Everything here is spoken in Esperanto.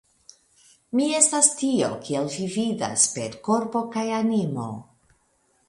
Mi estas tio, kiel vi vidas, per korpo kaj animo.